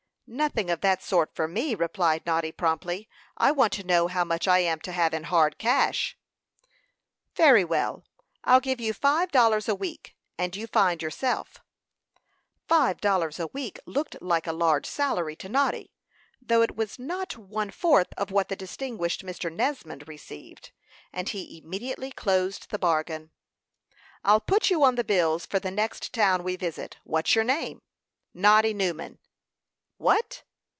"Nothing of that sort for me," replied Noddy, promptly. "I want to know how much I am to have in hard cash." "Very well; I'll give you five dollars a week, and you find yourself." Five dollars a week looked like a large salary to Noddy, though it was not one fourth of what the distinguished Mr. Nesmond received, and he immediately closed the bargain. "I'll put you on the bills for the next town we visit. What's your name?" "Noddy Newman." "What?"